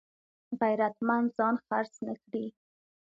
غیرتمند ځان خرڅ نه کړي